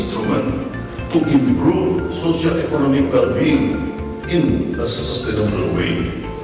untuk meningkatkan kekuatan ekonomi sosial secara berkelanjutan